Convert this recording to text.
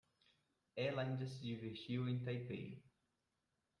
Ela ainda se divertiu em Taipei.